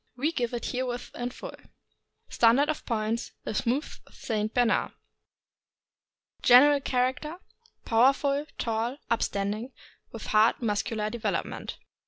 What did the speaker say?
We give it herewith in full. STANDARD OF POINTS — THE SMOOTH ST. BERNARD. General character. — Powerful, tall, upstanding, with hard muscular development.